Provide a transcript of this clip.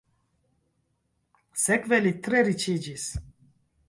Sekve li tre riĉiĝis.